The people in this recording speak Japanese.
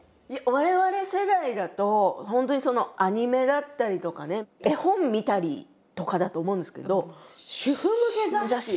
我々世代だと本当にアニメだったりとかね絵本見たりとかだと思うんですけど主婦向け雑誌！